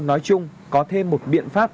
nói chung có thêm một biện pháp